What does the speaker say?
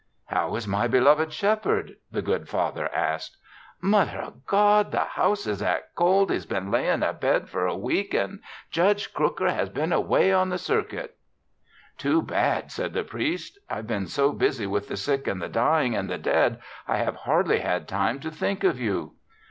"How is my beloved Shepherd?" the good Father asked. "Mother o' God! The house is that cold, he's been layin' abed for a week an' Judge Crooker has been away on the circuit." "Too bad!" said the priest. "I've been so busy with the sick and the dying and the dead I have hardly had time to think of you."